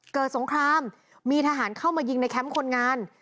สงครามมีทหารเข้ามายิงในแคมป์คนงาน